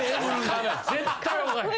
絶対置かへん。